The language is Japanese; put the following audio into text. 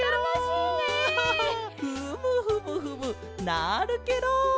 フムフムフムなるケロ！